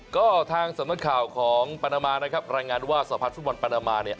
ก็ทางสำนักข่าวของปานามานะครับรายงานว่าสะพานฟุตบอลปานามาเนี่ย